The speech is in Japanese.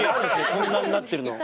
こんなになってるの。